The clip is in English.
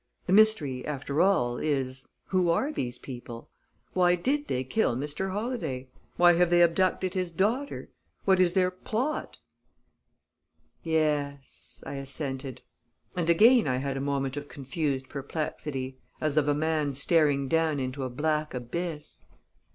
The mystery, after all, is who are these people? why did they kill Mr. Holladay? why have they abducted his daughter? what is their plot?" "Yes," I assented; and again I had a moment of confused perplexity, as of a man staring down into a black abyss.